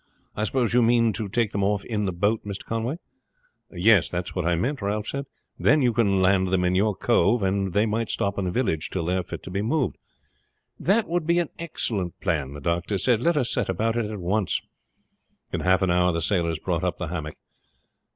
I suppose you mean to take them off in the boat, Mr. Conway?" "Yes; that's what I meant," Ralph said. "Then you can land them in your cove, and they might stop in the village till they are fit to be moved." "That would be an excellent plan," the doctor said. "Let us set about it at once." In half an hour the sailors brought up the hammock.